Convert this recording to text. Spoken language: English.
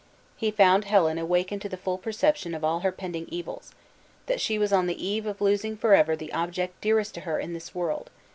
He found Helen awakened to the full perception of all her pending evils that she was on the eve of losing forever the object dearest to her in this world!